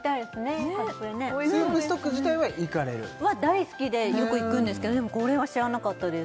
家族でねスープストック自体は行かれる？は大好きでよく行くんですけどでもこれは知らなかったです